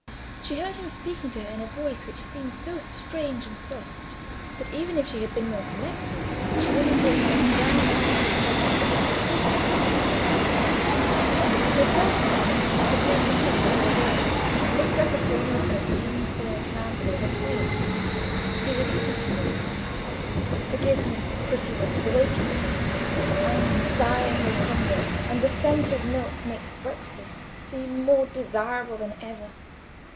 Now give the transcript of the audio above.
She heard him speaking to her in a voice which seemed so strange and soft, that even if she had been more collected she would have taken it for granted that he said something hopelessly unintelligible to her, and her first movement was to turn her head a little away, and lift up a corner of her green serge mantle as a screen. He repeated his words— "Forgive me, pretty one, for awaking you. I'm dying with hunger, and the scent of milk makes breakfast seem more desirable than ever."